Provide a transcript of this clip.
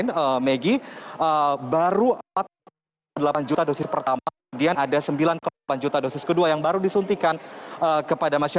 ini dikatakan mix consult lla ternyata terdapat infokok bersahteraresepsi